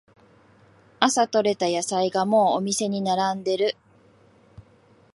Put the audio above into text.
朝とれた野菜がもうお店に並んでる